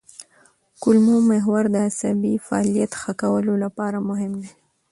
کولمو محور د عصبي فعالیت ښه کولو لپاره مهم دی.